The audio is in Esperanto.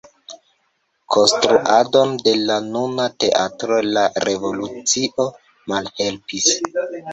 Konstruadon de la nuna teatro la revolucio malhelpis.